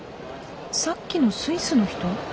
さっきのスイスの人？